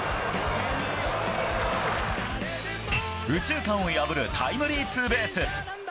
右中間を破るタイムリーツーベース。